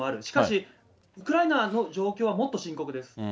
しかしウクライナの状況はもっと深刻です。